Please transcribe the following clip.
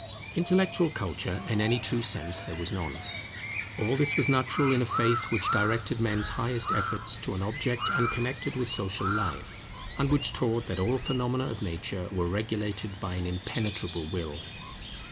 Intellectual culture in any true sense there was none. All this was natural in a faith which directed men's highest efforts to an object unconnected with social life, and which taught that all the phenomena of nature were regulated by an impenetrable Will.